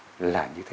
vậy là như thế